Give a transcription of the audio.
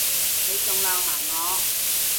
你仲鬧埋我